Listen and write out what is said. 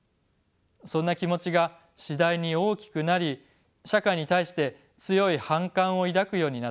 そんな気持ちが次第に大きくなり社会に対して強い反感を抱くようになっていきました。